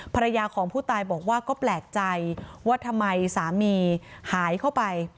ภรรยาของผู้ตายบอกว่าก็แปลกใจว่าทำไมสามีหายเข้าไป